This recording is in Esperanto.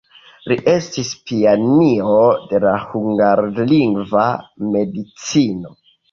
Li estis pioniro de la hungarlingva medicino.